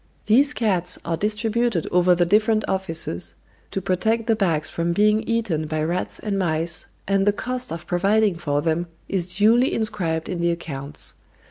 These cats are distributed over the different offices to protect the bags from being eaten by rats and mice, and the cost of providing for them is duly inscribed in the accounts.